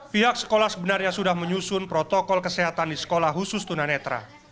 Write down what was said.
pihak sekolah sebenarnya sudah menyusun protokol kesehatan di sekolah khusus tunanetra